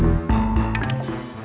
toilet sebelah sana